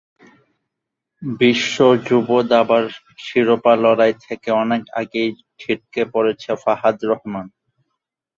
বিশ্ব যুব দাবার শিরোপা লড়াই থেকে অনেক আগেই ছিটকে পড়েছে ফাহাদ রহমান।